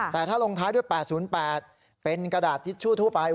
แต่ถ้าลงท้ายด้วย๘๐๘เป็นกระดาษทิชชู่ทั่วไป